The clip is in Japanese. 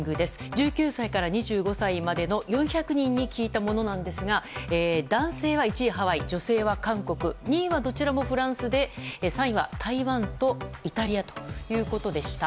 １９歳から２５歳までの４００人に聞いたものですが男性は１位、ハワイ女性は韓国２位はどちらもフランスで３位は台湾とイタリアということでした。